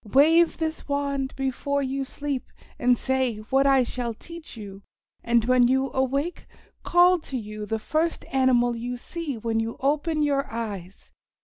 Wave this wand before you sleep and say what I shall teach you, and when you awake call to you the first animal you see when you open your eyes.